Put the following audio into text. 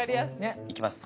いきます